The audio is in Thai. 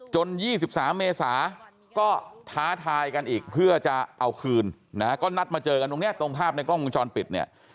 จน๒๒เมศาก็ท้าทายกันอีกเพื่อจะเอาคืนข้อนัดมาเจอกันข้รุงนี้จนภาพในกล้องเวลาลองจอลปิด